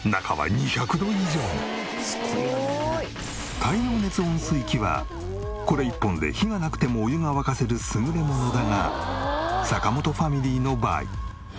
太陽熱温水器はこれ一本で火がなくてもお湯が沸かせる優れものだが坂本ファミリーの場合。